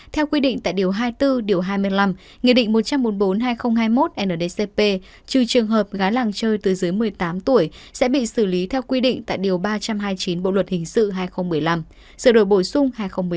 theo quy định tại điều hai mươi bốn điều hai mươi năm nghị định một trăm bốn mươi bốn hai nghìn hai mươi một ndcp trừ trường hợp gái làng chơi từ dưới một mươi tám tuổi sẽ bị xử lý theo quy định tại điều ba trăm hai mươi chín bộ luật hình sự hai nghìn một mươi năm sự đổi bổ sung hai nghìn một mươi bảy